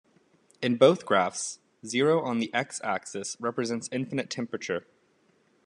In both graphs, zero on the "x"-axis represents infinite temperature.